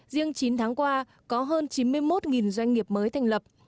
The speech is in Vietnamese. riêng chín tháng qua có hơn chín mươi một doanh nghiệp mới thành lập